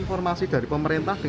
informasi dari pemerintah